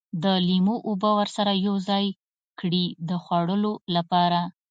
د لیمو اوبه ورسره یوځای کړي د خوړلو لپاره.